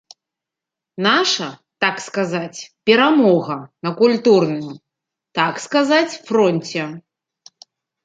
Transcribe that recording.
Наша, так сказаць, перамога на культурным, так сказаць, фронце.